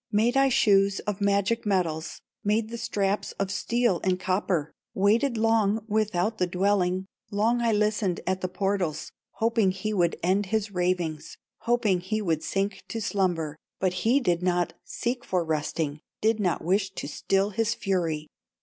Made I shoes of magic metals, Made the straps of steel and copper, Waited long without the dwelling, Long I listened at the portals, Hoping he would end his ravings, Hoping he would sink to slumber, But he did not seek for resting, Did not wish to still his fury.